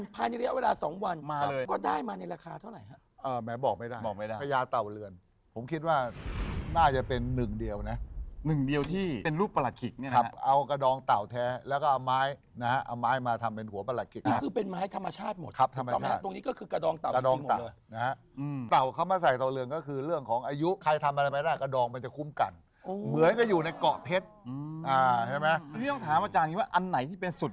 ผ่านในระยะเวลาสองวันมาเลยก็ได้มาในราคาเท่าไร